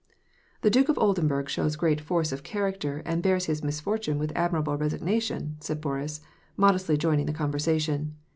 " The Duke of Oldenburg shows great force of character, and bears his misfortune with admirable resignation," * said Boris, modestly joining the conversation.